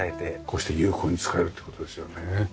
こうして有効に使えるって事ですよね。